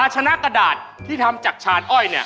ชนะกระดาษที่ทำจากชานอ้อย